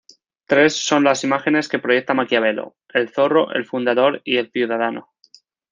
Tres son las imágenes que proyecta Maquiavelo: El Zorro, el Fundador y el Ciudadano.